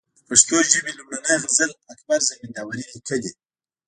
د پښتو ژبي لومړنۍ غزل اکبر زمینداوري ليکلې